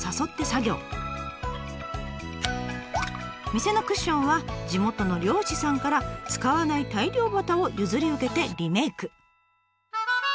店のクッションは地元の漁師さんから使わない大漁旗を譲り受けてリメイク。